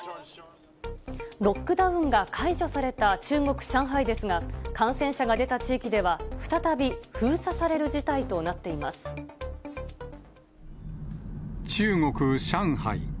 ロックダウンが解除された中国・上海ですが、感染者が出た地域では、再び、封鎖される事態と中国・上海。